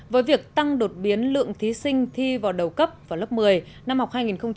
với việc tăng đột biến lượng thí sinh thi vào đầu cấp vào lớp một mươi năm học hai nghìn một mươi bảy hai nghìn một mươi tám